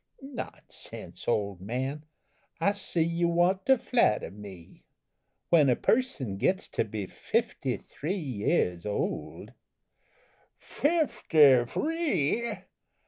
"Nonsense, old man, I see you want to flatter me. When a person gets to be fifty three years old " "Fifty free?